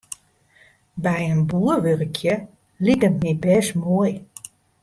By in boer wurkje liket my bêst moai.